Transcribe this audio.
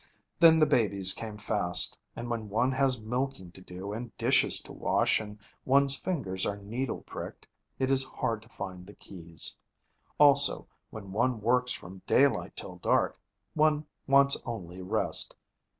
Then the babies came fast, and when one has milking to do and dishes to wash and one's fingers are needle pricked, it is hard to find the keys. Also, when one works from daylight till dark, one wants only rest.